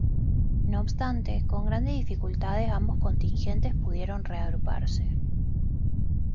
No obstante, con grandes dificultades ambos contingentes pudieron reagruparse.